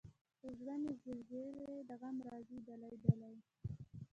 پۀ زړۀ مې زلزلې د غم راځي دلۍ، دلۍ